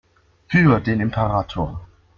Für den Imperator!